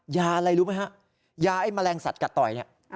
อะไรรู้ไหมฮะยาไอ้แมลงสัตวกัดต่อยเนี่ย